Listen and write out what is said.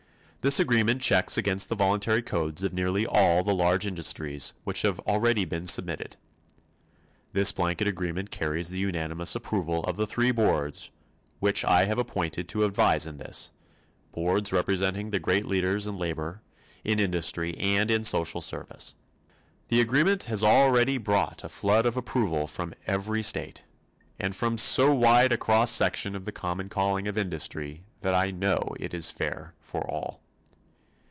This agreement checks against the voluntary codes of nearly all the large industries which have already been submitted. This blanket agreement carries the unanimous approval of the three boards which I have appointed to advise in this, boards representing the great leaders in labor, in industry and in social service. The agreement has already brought a flood of approval from every state, and from so wide a cross section of the common calling of industry that I know it is fair for all.